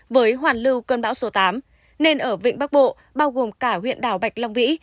với hoàn lưu cơn bão số tám nên ở vịnh bắc bộ bao gồm cả huyện đảo bạch long vĩ